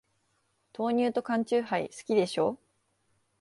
豆乳と缶チューハイ、好きでしょ。